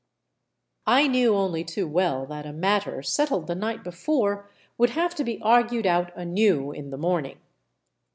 I knew only too well that a matter settled the night before would have to be argued out anew in the morning.